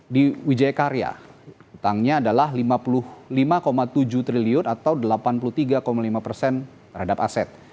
di wijaya karya utangnya adalah lima puluh lima tujuh triliun atau delapan puluh tiga lima persen terhadap aset